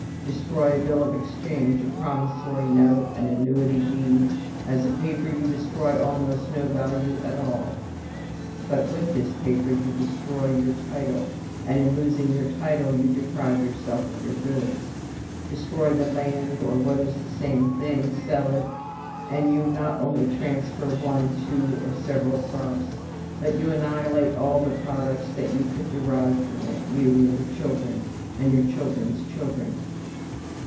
Destroy a bill of exchange, a promissory note, an annuity deed, as a paper you destroy almost no value at all; but with this paper you destroy your title, and, in losing your title, you deprive yourself of your goods. Destroy the land, or, what is the same thing, sell it, you not only transfer one, two, or several crops, but you annihilate all the products that you could derive from it; you and your children and your children's children.